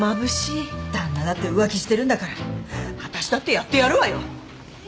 旦那だって浮気してるんだから私だってやってやるわよ。